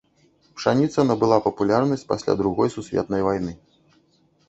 Пшаніца набыла папулярнасць пасля другой сусветнай вайны.